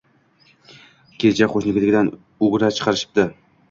Kenja qo‘shnikidan ugra chiqarishibdi